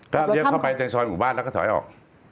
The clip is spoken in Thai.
ก็เลี้ยวเข้าไปในซอยหมู่บ้านแล้วก็ถอยออก